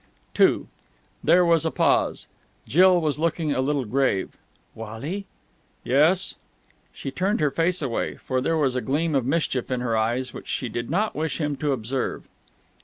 II There was a pause. Jill was looking a little grave. "Wally!" "Yes?" She turned her face away, for there was a gleam of mischief in her eyes which she did not wish him to observe.